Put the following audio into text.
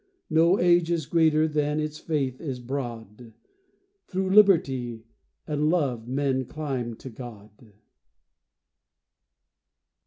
No age is greater than its faith is broad. Through liberty and love men climb to God.